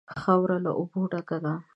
خاوره له اوبو ډکه ده.